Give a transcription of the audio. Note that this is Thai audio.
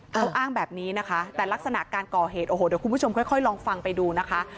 เขาอ้างแบบนี้นะคะแต่ลักษณะการก่อเหตุโอ้โหเดี๋ยวคุณผู้ชมค่อยลองฟังไปดูนะคะ